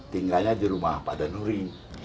tinggalnya di rumah pak danuri